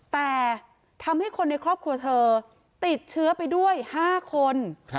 แต่ทำให้คนในครอบครัวเธอติดเชื้อไปด้วย๕คน